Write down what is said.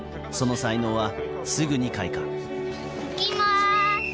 その才能はすぐに開花。